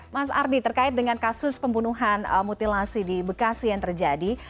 mas ardi terkait dengan kasus pembunuhan mutilasi di bekasi yang terjadi